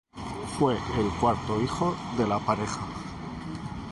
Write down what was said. Fue el cuarto hijo de la pareja.